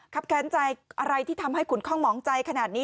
แค้นใจอะไรที่ทำให้ขุนคล่องหมองใจขนาดนี้